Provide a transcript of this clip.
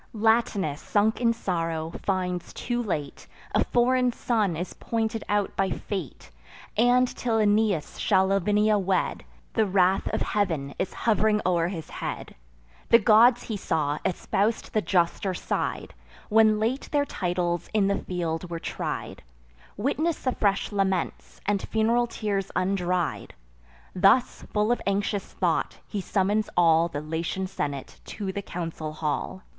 Latinus, sunk in sorrow, finds too late, A foreign son is pointed out by fate; And, till Aeneas shall Lavinia wed, The wrath of Heav'n is hov'ring o'er his head. The gods, he saw, espous'd the juster side, When late their titles in the field were tried: Witness the fresh laments, and fun'ral tears undried. Thus, full of anxious thought, he summons all The Latian senate to the council hall.